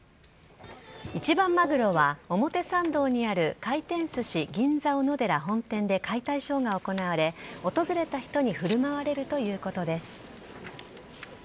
一番マグロは、表参道にある回転すし、銀座おのでら本店で解体ショーが行われ、訪れた人にふるまわれるということです。